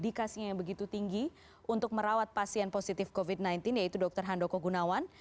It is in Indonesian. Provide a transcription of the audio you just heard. indikasinya yang begitu tinggi untuk merawat pasien positif covid sembilan belas yaitu dr handoko gunawan